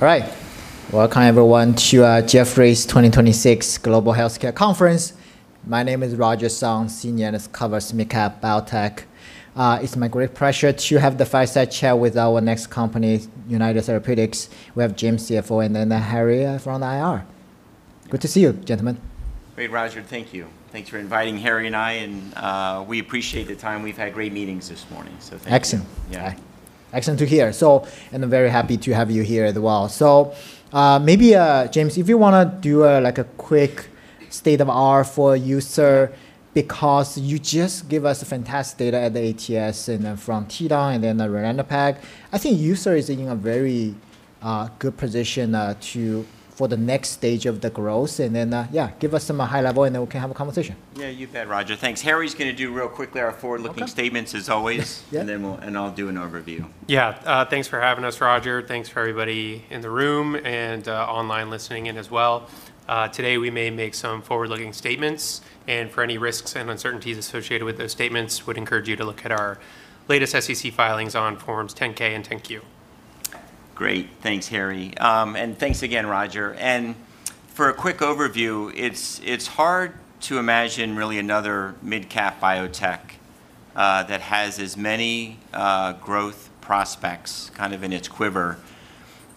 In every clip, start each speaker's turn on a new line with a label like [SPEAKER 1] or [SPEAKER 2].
[SPEAKER 1] All right. Welcome, everyone, to Jefferies 2026 Global Healthcare Conference. My name is Roger Song, Senior Analyst covers mid-cap biotech. It's my great pleasure to have the fireside chat with our next company, United Therapeutics. We have James, CFO, and then Harry from IR. Good to see you, gentlemen.
[SPEAKER 2] Great, Roger. Thank you. Thanks for inviting Harry and I, and we appreciate the time. We've had great meetings this morning, so thank you.
[SPEAKER 1] Excellent.
[SPEAKER 2] Yeah.
[SPEAKER 1] Excellent to hear. I'm very happy to have you here as well. Maybe, James, if you want to do a quick state of IR for United Therapeutics, because you just gave us fantastic data at the ATS and then from TETON and then the ralinepag. I think United Therapeutics is in a very good position for the next stage of the growth and then, yeah, give us some high level and then we can have a conversation.
[SPEAKER 2] Yeah, you bet, Roger. Thanks. Harry's going to do real quickly our forward-looking statements.
[SPEAKER 1] Okay
[SPEAKER 2] as always.
[SPEAKER 1] Yeah.
[SPEAKER 2] Then I'll do an overview.
[SPEAKER 3] Yeah. Thanks for having us, Roger. Thanks for everybody in the room and online listening in as well. Today we may make some forward-looking statements, and for any risks and uncertainties associated with those statements, would encourage you to look at our latest SEC filings on forms 10-K and 10-Q.
[SPEAKER 2] Great. Thanks, Harry. Thanks again, Roger. For a quick overview, it's hard to imagine really another mid-cap biotech that has as many growth prospects kind of in its quiver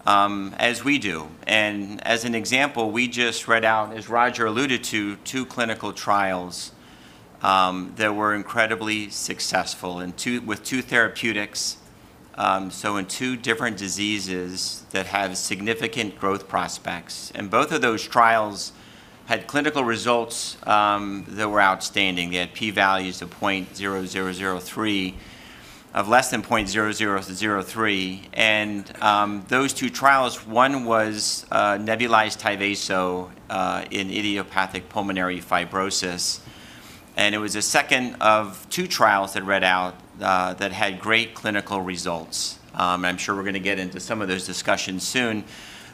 [SPEAKER 2] as we do. As an example, we just read out, as Roger alluded to, two clinical trials that were incredibly successful with two therapeutics, so in two different diseases that have significant growth prospects. Both of those trials had clinical results that were outstanding. They had p values of less than 0.0003 and those two trials, one was nebulized Tyvaso in idiopathic pulmonary fibrosis, and it was the second of two trials they read out that had great clinical results. I'm sure we're going to get into some of those discussions soon.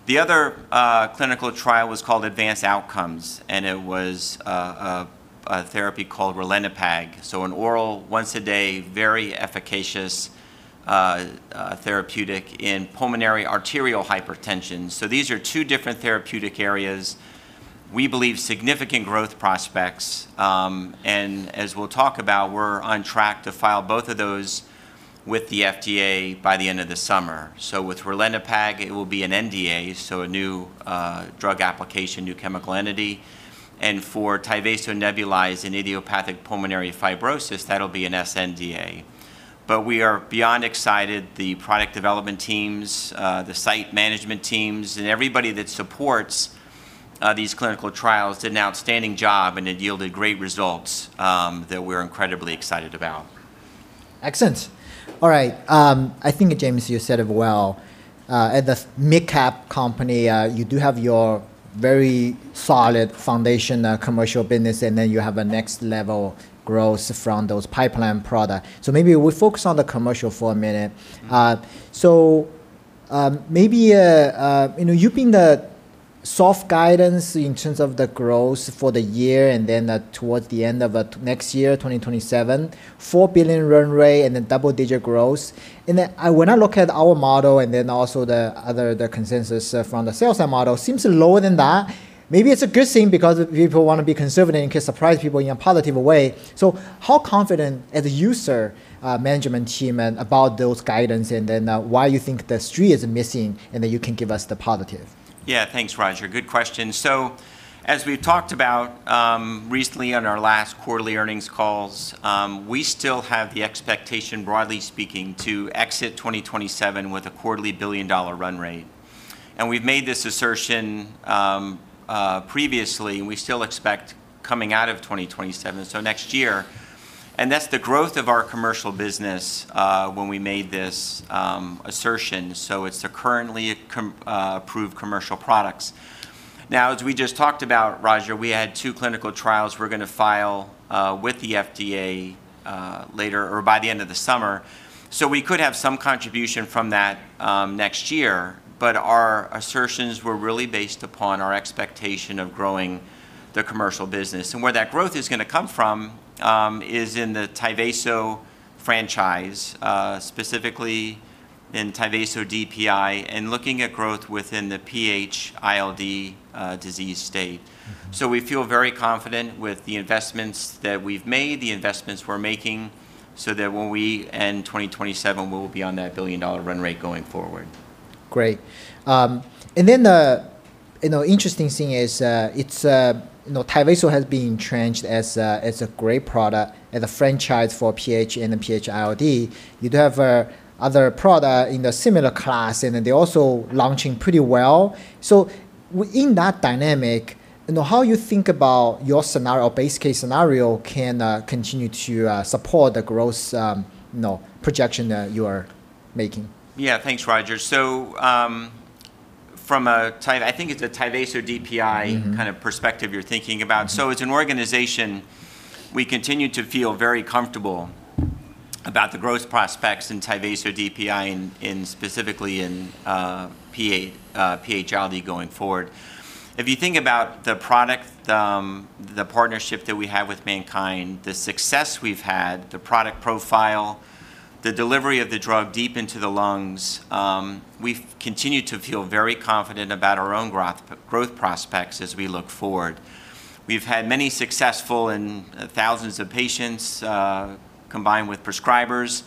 [SPEAKER 2] The other clinical trial was called ADVANCE OUTCOMES, and it was a therapy called ralinepag, so an oral, once a day, very efficacious therapeutic in pulmonary arterial hypertension. These are two different therapeutic areas, we believe significant growth prospects. As we'll talk about, we're on track to file both of those with the FDA by the end of the summer. With ralinepag, it will be an NDA, so a new drug application, new chemical entity. For Tyvaso nebulized in idiopathic pulmonary fibrosis, that'll be an sNDA. We are beyond excited. The product development teams, the site management teams, and everybody that supports these clinical trials did an outstanding job and it yielded great results that we're incredibly excited about.
[SPEAKER 1] Excellent. All right. I think, James, you said it well. As a mid-cap company, you do have your very solid foundation commercial business, and then you have a next-level growth from those pipeline products. Maybe we focus on the commercial for a minute. Maybe you've been the soft guidance in terms of the growth for the year, and then towards the end of next year, 2027, $4 billion run rate and then double-digit growth. When I look at our model and then also the other consensus from the sales model, seems lower than that. Maybe it's a good thing because people want to be conservative and can surprise people in a positive way. How confident is the United Therapeutics management team about that guidance and then why you think the street is missing, and then you can give us the positive?
[SPEAKER 2] Yeah, thanks, Roger. Good question. As we've talked about recently on our last quarterly earnings calls, we still have the expectation, broadly speaking, to exit 2027 with a quarterly billion-dollar run rate. We've made this assertion previously, and we still expect coming out of 2027, so next year, and that's the growth of our commercial business when we made this assertion, so it's the currently approved commercial products. Now, as we just talked about, Roger, we had two clinical trials we're going to file with the FDA later or by the end of the summer. Our assertions were really based upon our expectation of growing the commercial business. Where that growth is going to come from is in the Tyvaso franchise, specifically in Tyvaso DPI and looking at growth within the PH-ILD disease state. We feel very confident with the investments that we've made, the investments we're making, so that when we end 2027, we will be on that billion-dollar run rate going forward.
[SPEAKER 1] Great. The interesting thing is Tyvaso has been entrenched as a great product and a franchise for PH and PH-ILD. You'd have other products in a similar class, they're also launching pretty well. Within that dynamic, how you think about your scenario, base case scenario can continue to support the growth projection that you are making?
[SPEAKER 2] Yeah. Thanks, Roger. From a Tyvaso, I think it's a Tyvaso DPI kind of perspective you're thinking about. As an organization, we continue to feel very comfortable about the growth prospects in Tyvaso DPI and specifically in PH-ILD going forward. If you think about the product, the partnership that we have with MannKind, the success we've had, the product profile, the delivery of the drug deep into the lungs, we've continued to feel very confident about our own growth prospects as we look forward. We've had many successful and thousands of patients combined with prescribers,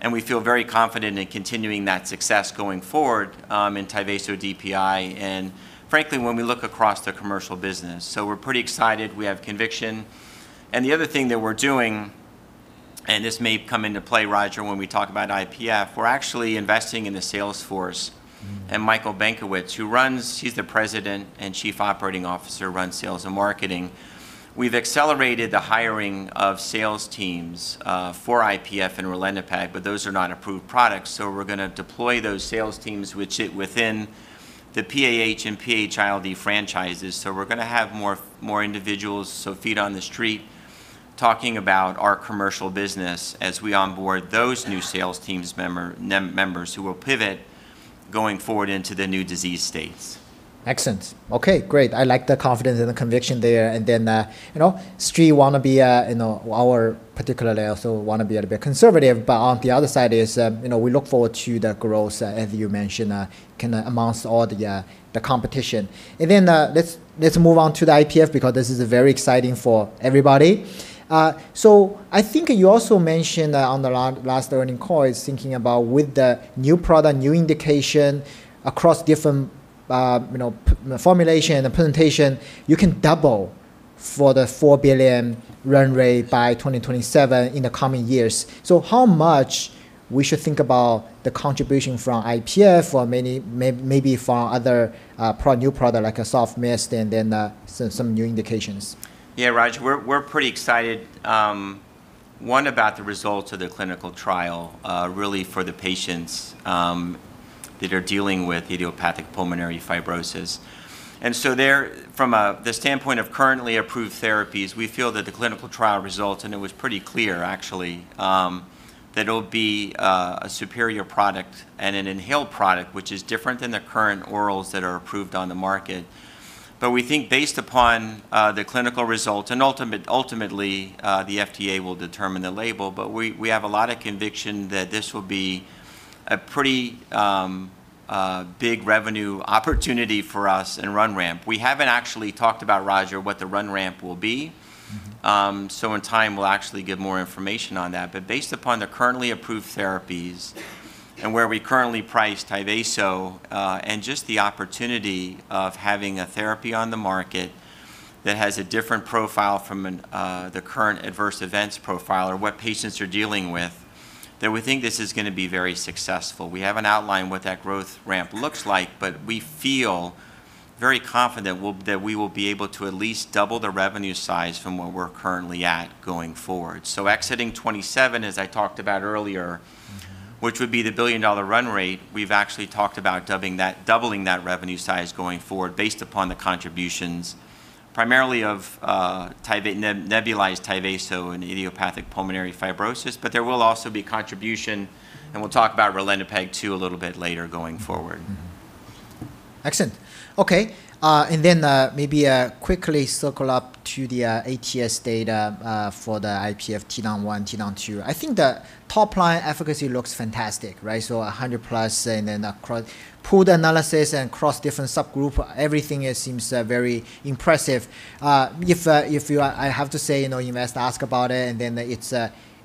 [SPEAKER 2] and we feel very confident in continuing that success going forward in Tyvaso DPI, and frankly, when we look across the commercial business. We're pretty excited. We have conviction. The other thing that we're doing, and this may come into play, Roger, when we talk about IPF, we're actually investing in the sales force and Michael Benkowitz. He's the President and Chief Operating Officer, runs sales and marketing. We've accelerated the hiring of sales teams for IPF and ralinepag, those are not approved products. We're going to deploy those sales teams within the PAH and PH-ILD franchises. We're going to have more individuals, so feet on the street talking about our commercial business as we onboard those new sales teams members who will pivot going forward into the new disease states.
[SPEAKER 1] Excellent. Okay, great. I like the confidence and the conviction there. Street want to be our particular outlook, so want to be a little bit conservative, but on the other side is we look forward to the growth, as you mentioned, can amongst all the competition. Let's move on to the IPF because this is very exciting for everybody. I think you also mentioned on the last earnings call is thinking about with the new product, new indication across different formulation and presentation, you can double for the $4 billion run rate by 2027 in the coming years. How much we should think about the contribution from IPF or maybe from other new product like a soft mist and then some new indications?
[SPEAKER 2] Yeah, Roger, we're pretty excited, one, about the results of the clinical trial really for the patients that are dealing with idiopathic pulmonary fibrosis. From the standpoint of currently approved therapies, we feel that the clinical trial results, and it was pretty clear actually, that it'll be a superior product and an inhaled product, which is different than the current orals that are approved on the market. We think based upon the clinical results and ultimately, the FDA will determine the label, but we have a lot of conviction that this will be a pretty big revenue opportunity for us and run ramp. We haven't actually talked about, Roger, what the run ramp will be. In time, we'll actually give more information on that. Based upon the currently approved therapies and where we currently price Tyvaso, and just the opportunity of having a therapy on the market that has a different profile from the current adverse events profile or what patients are dealing with, that we think this is going to be very successful. We have an outline what that growth ramp looks like, but we feel very confident that we will be able to at least double the revenue size from where we're currently at going forward. Exiting 2027, as I talked about earlier, which would be the billion-dollar run rate, we've actually talked about doubling that revenue size going forward based upon the contributions primarily of nebulized Tyvaso and idiopathic pulmonary fibrosis. There will also be contribution, and we'll talk about ralinepag too a little bit later going forward.
[SPEAKER 1] Excellent. Okay. Maybe quickly circle up to the ATS data for the IPF TETON-1, TETON-2. I think the top line efficacy looks fantastic. 100 plus and then pooled analysis and cross different subgroup, everything seems very impressive. I have to say, you must ask about it, and then it's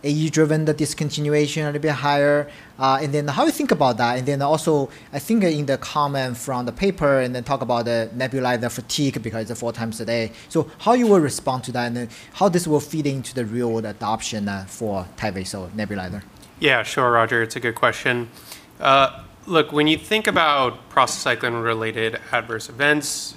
[SPEAKER 1] AE driven, the discontinuation a little bit higher. How you think about that? Also I think in the comment from the paper and then talk about the nebulizer fatigue because it's four times a day. How you will respond to that and then how this will feed into the real-world adoption for nebulized Tyvaso?
[SPEAKER 3] Yeah, sure, Roger. It's a good question. Look, when you think about prostacyclin-related adverse events,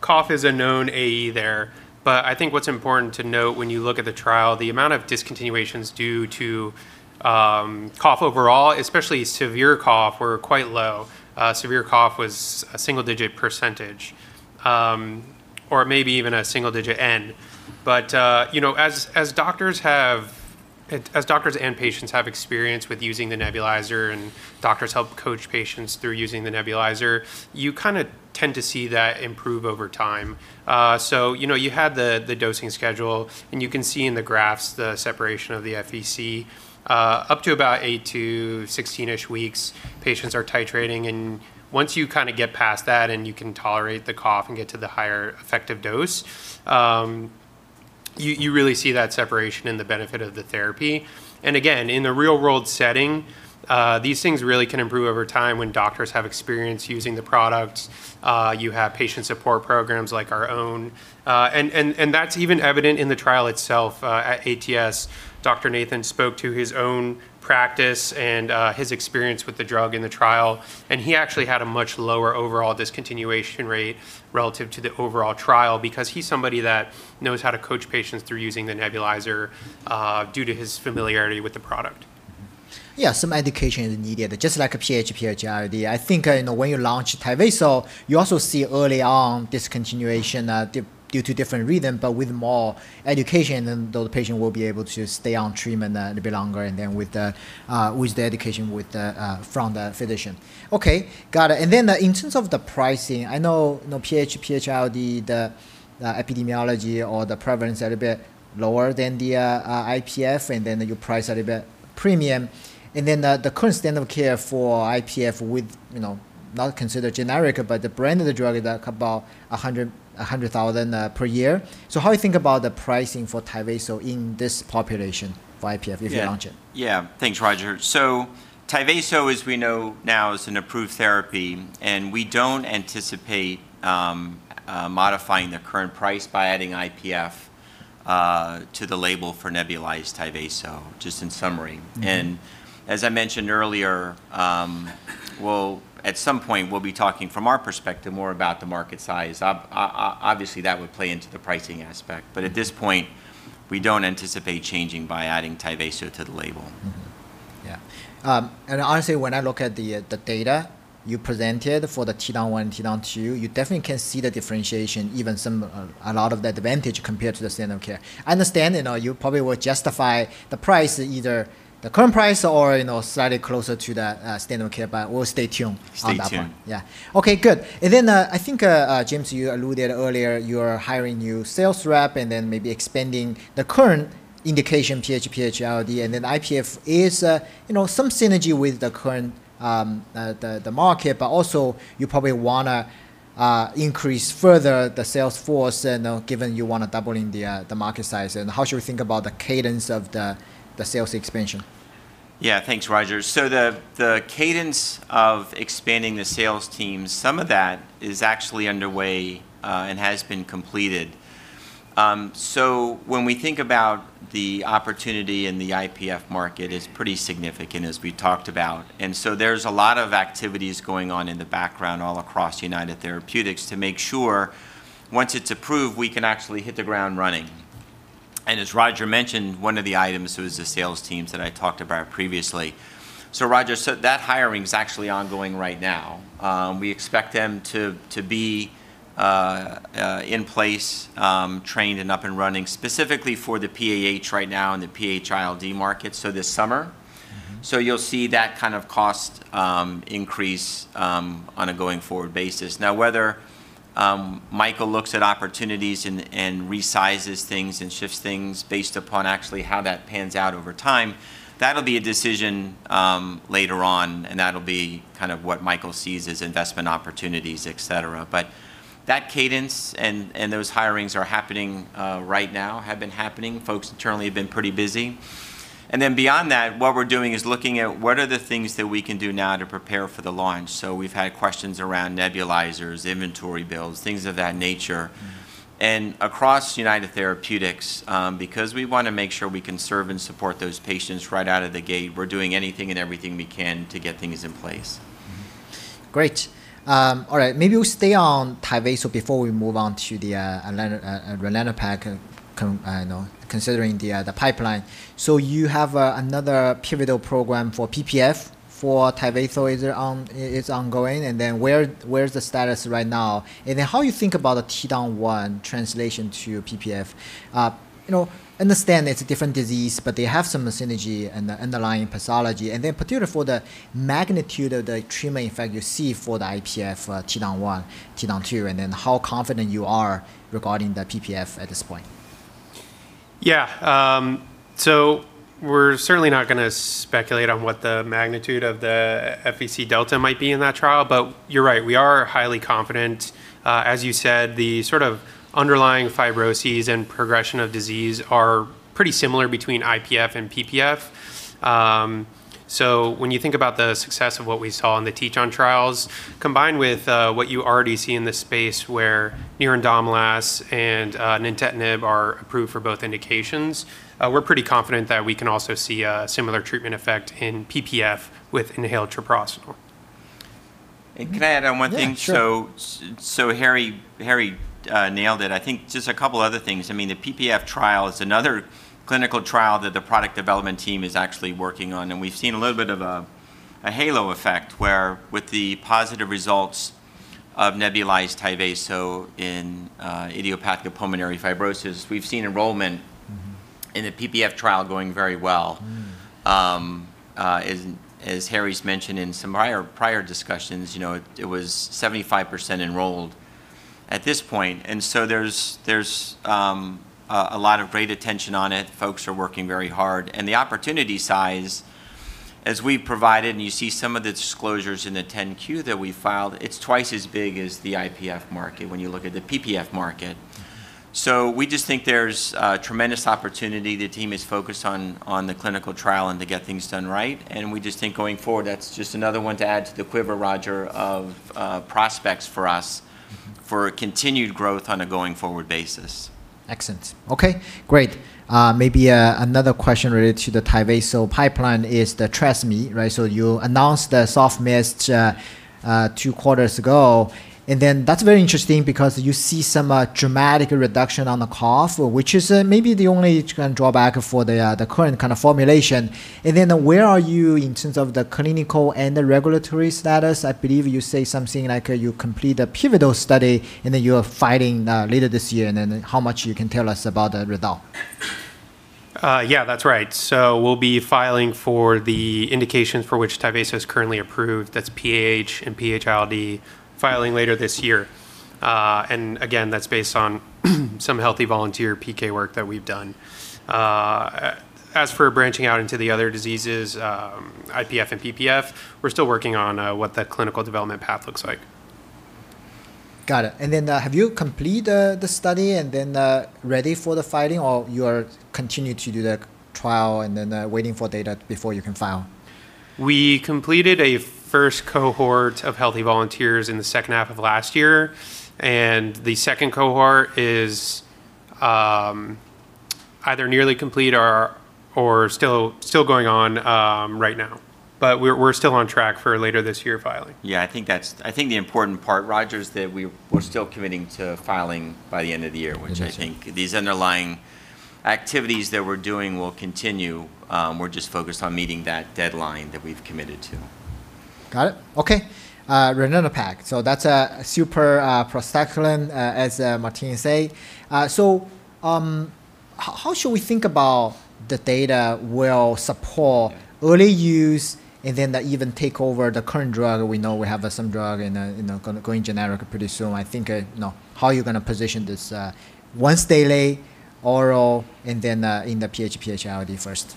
[SPEAKER 3] cough is a known AE there. I think what's important to note when you look at the trial, the amount of discontinuations due to cough overall, especially severe cough, were quite low. Severe cough was a single-digit percentage, or maybe even a single-digit N. As doctors and patients have experience with using the nebulizer and doctors help coach patients through using the nebulizer, you kind of tend to see that improve over time. You had the dosing schedule, and you can see in the graphs the separation of the FVC. Up to about 8 to 16 weeks, patients are titrating and once you kind of get past that and you can tolerate the cough and get to the higher effective dose, you really see that separation and the benefit of the therapy. In the real-world setting, these things really can improve over time when doctors have experience using the product. You have patient support programs like our own. That's even evident in the trial itself at ATS. Dr. Nathan spoke to his own practice and his experience with the drug in the trial, and he actually had a much lower overall discontinuation rate relative to the overall trial because he's somebody that knows how to coach patients through using the nebulizer due to his familiarity with the product.
[SPEAKER 1] Yeah, some education is needed. Just like PAH, PH-ILD. I think, when you launch Tyvaso, you also see early on discontinuation due to different reasons, but with more education, then the patient will be able to stay on treatment a little bit longer, and then with the education from the physician. Okay, got it. In terms of the pricing, I know PAH, PH-ILD, the epidemiology or the prevalence are a bit lower than the IPF, and then you price a little bit premium. The current standard of care for IPF with, not considered generic, but the brand of the drug is about $100,000 per year. How you think about the pricing for Tyvaso in this population for IPF if you launch it?
[SPEAKER 2] Yeah. Thanks, Roger. Tyvaso, as we know now, is an approved therapy, and we don't anticipate modifying the current price by adding IPF to the label for nebulized Tyvaso, just in summary. As I mentioned earlier, at some point, we'll be talking from our perspective more about the market size. Obviously, that would play into the pricing aspect. At this point, we don't anticipate changing by adding Tyvaso to the label.
[SPEAKER 1] Mm-hmm. Yeah. Honestly, when I look at the data you presented for the TETON-1, TETON-2, you definitely can see the differentiation, even a lot of the advantage compared to the standard of care. I understand, you probably will justify the price, either the current price or slightly closer to the standard of care, but we'll stay tuned on that one.
[SPEAKER 2] Stay tuned.
[SPEAKER 1] Yeah. Okay, good. Then, I think, James, you alluded earlier, you're hiring new sales rep and then maybe expanding the current indication, PAH, PH-ILD, and then IPF is some synergy with the current market. Also you probably want to increase further the sales force, given you want to doubling the market size. How should we think about the cadence of the sales expansion?
[SPEAKER 2] Thanks, Roger. The cadence of expanding the sales team, some of that is actually underway and has been completed. When we think about the opportunity in the IPF market is pretty significant, as we talked about. There's a lot of activities going on in the background all across United Therapeutics to make sure once it's approved, we can actually hit the ground running. As Roger mentioned, one of the items was the sales teams that I talked about previously. Roger, that hiring is actually ongoing right now. We expect them to be in place, trained, and up and running specifically for the PAH right now and the PH-ILD market, so this summer. You'll see that kind of cost increase on a going forward basis. Whether Michael looks at opportunities and resizes things and shifts things based upon actually how that pans out over time, that'll be a decision later on, and that'll be what Michael sees as investment opportunities, et cetera. That cadence and those hirings are happening right now, have been happening. Folks internally have been pretty busy. Beyond that, what we're doing is looking at what are the things that we can do now to prepare for the launch. We've had questions around nebulizers, inventory builds, things of that nature. Across United Therapeutics, because we want to make sure we can serve and support those patients right out of the gate, we're doing anything and everything we can to get things in place.
[SPEAKER 1] Great. All right. Maybe we stay on Tyvaso before we move on to the ralinepag, considering the pipeline. You have another pivotal program for PPF for Tyvaso is ongoing. Where's the status right now? How you think about the TETON-1 translation to PPF? Understand it's a different disease, but they have some synergy in the underlying pathology, particular for the magnitude of the treatment effect you see for the IPF, TETON-1, TETON-2. How confident you are regarding the PPF at this point.
[SPEAKER 3] Yeah. We're certainly not going to speculate on what the magnitude of the FVC delta might be in that trial. You're right, we are highly confident. As you said, the sort of underlying fibroses and progression of disease are pretty similar between IPF and PPF. When you think about the success of what we saw in the TETON trials, combined with what you already see in the space where nerandomilast and nintedanib are approved for both indications, we're pretty confident that we can also see a similar treatment effect in PPF with inhaled treprostinil.
[SPEAKER 2] Can I add on one thing?
[SPEAKER 1] Yeah, sure.
[SPEAKER 2] Harry nailed it. I think just a couple other things. The PPF trial is another clinical trial that the product development team is actually working on, and we've seen a little bit of a halo effect where with the positive results of nebulized Tyvaso in idiopathic pulmonary fibrosis. In the PPF trial going very well. As Harry's mentioned in some prior discussions, it was 75% enrolled at this point. There's a lot of great attention on it. Folks are working very hard. The opportunity size as we provided, and you see some of the disclosures in the 10-Q that we filed, it's twice as big as the IPF market when you look at the PPF market. We just think there's a tremendous opportunity. The team is focused on the clinical trial and to get things done right, and we just think going forward, that's just another one to add to the quiver, Roger, of prospects for us for continued growth on a going-forward basis.
[SPEAKER 1] Excellent. Okay, great. Maybe another question related to the Tyvaso pipeline is the Tyvaso SMI. You announced Soft Mist two quarters ago, that's very interesting because you see some dramatic reduction on the cough, which is maybe the only drawback for the current kind of formulation. Where are you in terms of the clinical and the regulatory status? I believe you say something like you complete a pivotal study, you are filing later this year, how much you can tell us about the results?
[SPEAKER 3] Yeah, that's right. We'll be filing for the indications for which Tyvaso is currently approved. That's PAH and PH-ILD, filing later this year. Again, that's based on some healthy volunteer PK work that we've done. As for branching out into the other diseases, IPF and PPF, we're still working on what that clinical development path looks like.
[SPEAKER 1] Got it. Have you completed the study and then ready for the filing, or you are continuing to do the trial and then waiting for data before you can file?
[SPEAKER 3] We completed a first cohort of healthy volunteers in the second half of last year, the second cohort is either nearly complete or still going on right now. We're still on track for a later this year filing.
[SPEAKER 2] Yeah, I think the important part, Roger, that we're still committing to filing by the end of the year.
[SPEAKER 3] Yes.
[SPEAKER 2] I think these underlying activities that we're doing will continue. We're just focused on meeting that deadline that we've committed to.
[SPEAKER 1] Got it. Okay. ralinepag. That's super prostacyclin, as Martine say. How should we think about the data will support early use and then even take over the current drug? We know we have some drug and going generic pretty soon. I think how you're going to position this once daily, oral, and then in the PH-ILD first?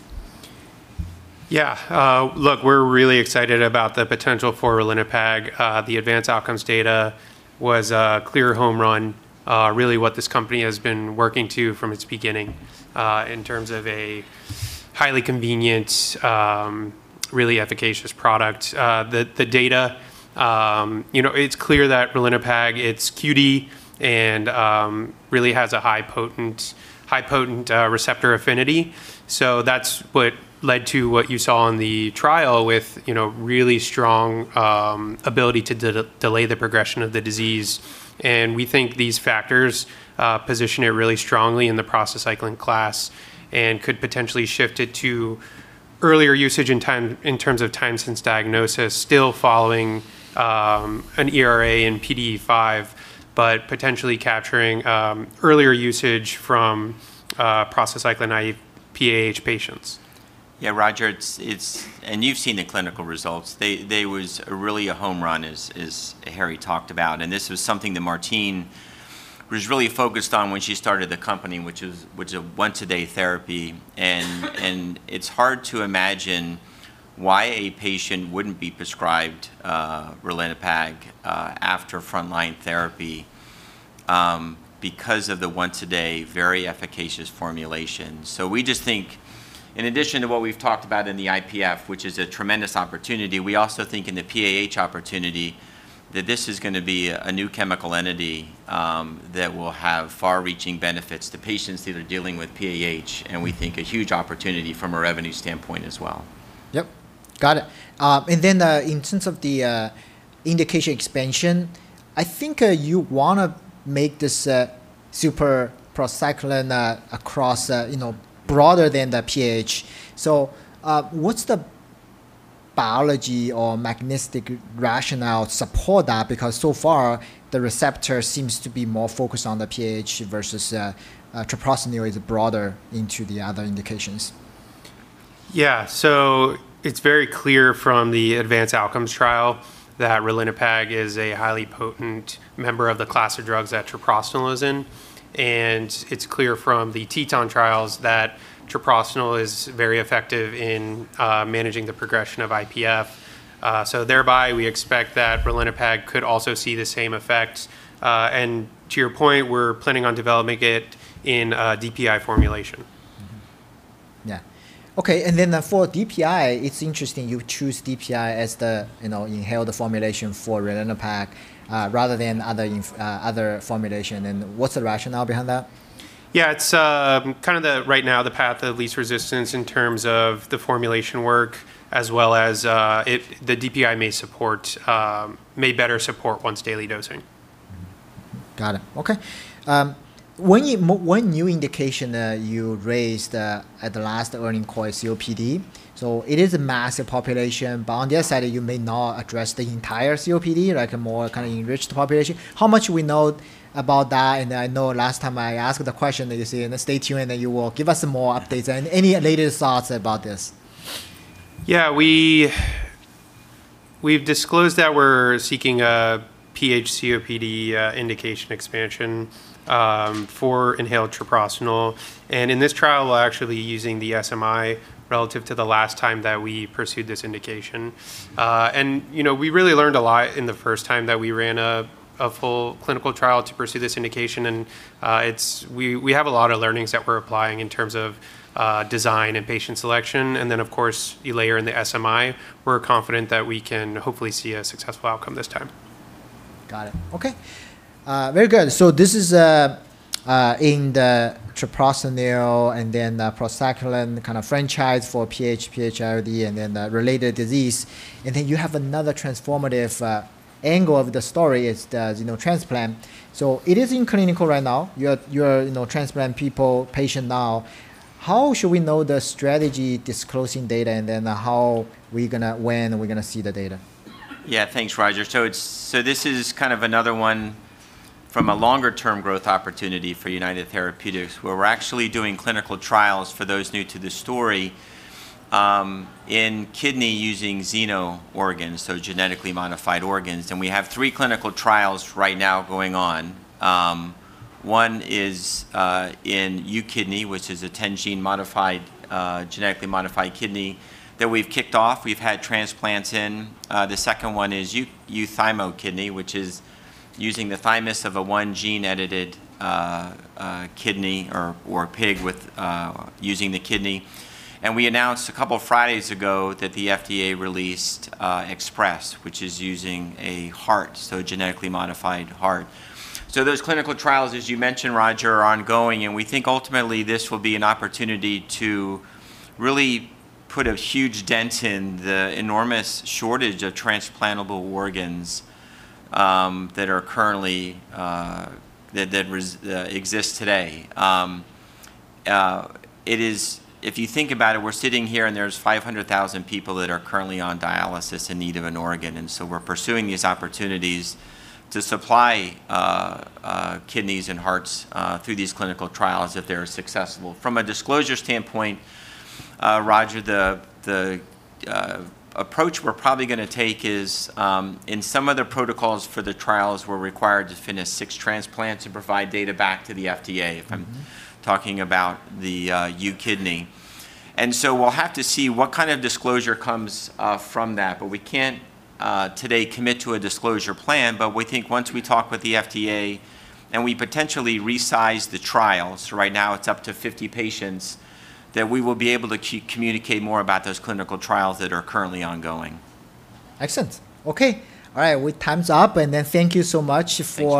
[SPEAKER 3] Yeah. Look, we're really excited about the potential for ralinepag. The ADVANCE OUTCOMES data was a clear home run, really what this company has been working to from its beginning in terms of a highly convenient, really efficacious product. The data, it's clear that ralinepag, it's QD and really has a high potent receptor affinity. That's what led to what you saw in the trial with really strong ability to delay the progression of the disease. We think these factors position it really strongly in the prostacyclin class and could potentially shift it to earlier usage in terms of time since diagnosis, still following an ERA and PDE5, but potentially capturing earlier usage from prostacyclin PH patients.
[SPEAKER 2] Roger, you've seen the clinical results. They was really a home run, as Harry talked about. This was something that Martine was really focused on when she started the company, which is once a day therapy. It's hard to imagine why a patient wouldn't be prescribed ralinepag after frontline therapy because of the once a day, very efficacious formulation. We just think in addition to what we've talked about in the IPF, which is a tremendous opportunity, we also think in the PH opportunity that this is going to be a new chemical entity that will have far-reaching benefits to patients that are dealing with PH. We think a huge opportunity from a revenue standpoint as well.
[SPEAKER 1] Yep. Got it. In terms of the indication expansion, I think you want to make this super prostacyclin across broader than the PH. What's the biology or mechanistic rationale support that? Because so far the receptor seems to be more focused on the PAH versus treprostinil is broader into the other indications.
[SPEAKER 3] Yeah. It's very clear from the ADVANCE OUTCOMES trial that ralinepag is a highly potent member of the class of drugs that treprostinil is in. It's clear from the TETON trials that treprostinil is very effective in managing the progression of IPF. Thereby we expect that ralinepag could also see the same effects. To your point, we're planning on developing it in a DPI formulation.
[SPEAKER 1] Mm-hmm. Yeah. Okay, for DPI, it's interesting you choose DPI as the inhaled formulation for ralinepag rather than other formulation. What's the rationale behind that?
[SPEAKER 3] Yeah, it's kind of right now the path of least resistance in terms of the formulation work as well as if the DPI may better support once daily dosing.
[SPEAKER 1] Got it. Okay. One new indication that you raised at the last earnings call, COPD. It is a massive population, but on the other side you may not address the entire COPD, like a more kind of enriched population. How much we know about that? I know last time I asked the question, and you said stay tuned and that you will give us more updates. Any latest thoughts about this?
[SPEAKER 3] Yeah. We've disclosed that we're seeking a PH-COPD indication expansion for inhaled treprostinil. In this trial, we're actually using the SMI relative to the last time that we pursued this indication. We really learned a lot in the first time that we ran a full clinical trial to pursue this indication, and we have a lot of learnings that we're applying in terms of design and patient selection. Then, of course, you layer in the SMI, we're confident that we can hopefully see a successful outcome this time.
[SPEAKER 1] Got it. Okay. Very good. This is in the treprostinil and the prostacyclin kind of franchise for PH-ILD, and the related disease. You have another transformative angle of the story is the xenotransplantation transplant. It is in clinical right now. You are transplanting people, patients now. How should we know the strategy disclosing data, how we're going to win, and we're going to see the data?
[SPEAKER 2] Yeah, thanks, Roger. This is kind of another one from a longer-term growth opportunity for United Therapeutics, where we're actually doing clinical trials, for those new to the story, in kidney using xeno organs, so genetically modified organs. We have three clinical trials right now going on. One is in UKidney, which is a 10-gene genetically modified kidney that we've kicked off. We've had transplants in. The second one is UThymoKidney, which is using the thymus of a one gene-edited kidney or pig with using the kidney. We announced a couple of Fridays ago that the FDA released EXPRESS, which is using a heart, so a genetically modified heart. Those clinical trials, as you mentioned, Roger, are ongoing, and we think ultimately this will be an opportunity to really put a huge dent in the enormous shortage of transplantable organs that exist today. If you think about it, we're sitting here, and there's 500,000 people that are currently on dialysis in need of an organ. We're pursuing these opportunities to supply kidneys and hearts through these clinical trials if they're successful. From a disclosure standpoint, Roger, the approach we're probably going to take is in some of the protocols for the trials, we're required to finish six transplants and provide data back to the FDA if I'm talking about the UKidney. We'll have to see what kind of disclosure comes from that. We can't today commit to a disclosure plan. We think once we talk with the FDA and we potentially resize the trials, right now it's up to 50 patients, that we will be able to communicate more about those clinical trials that are currently ongoing.
[SPEAKER 1] Excellent. Okay. All right. Well, time's up, and then thank you so much for